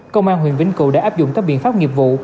công an huyện vĩnh cửu đã áp dụng các biện pháp nghiệp vụ